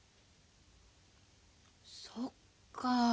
そっか。